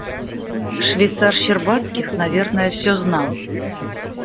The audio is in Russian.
Швейцар Щербацких, наверное, всё знал.